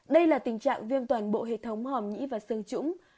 đây là tình trạng viêm toàn bộ hệ thống hòm nhĩ và sơn trũng